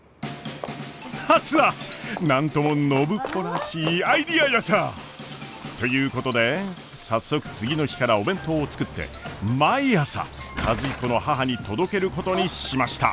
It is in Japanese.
何とも暢子らしいアイデアヤサ！ということで早速次の日からお弁当を作って毎朝和彦の母に届けることにしました。